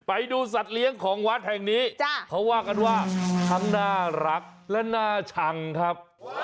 ไปดูสัตว์เลี้ยงของวัดแห่งนี้เขาว่ากันว่าทั้งน่ารักและน่าชังครับ